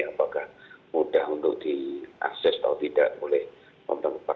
apakah mudah untuk diakses atau tidak oleh pemerintah